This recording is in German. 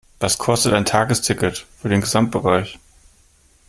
Was kostet ein Tagesticket für den Gesamtbereich?